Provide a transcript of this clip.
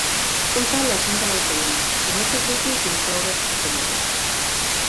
Compta la gent de l'autobús, i no t'oblidis d'incloure't a tu mateix.